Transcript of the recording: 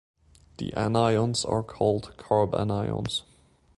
The anions are called carbanions.